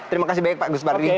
terima kasih banyak pak gus mardi